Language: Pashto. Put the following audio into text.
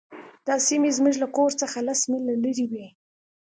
دا سیمې زموږ له کور څخه لس میله لرې وې